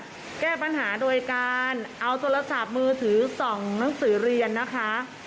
เพื่อแก้ปัญหาโดยการเอาโทรศัพท์มือถือส่องหนังสือเรียนนะคะ